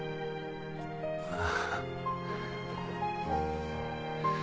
ああ。